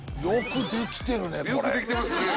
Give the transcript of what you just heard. よくできてるねこれ。